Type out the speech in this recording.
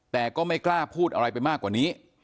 แต่ก็ไม่กล้าพูดอะไรไปมากกว่านี้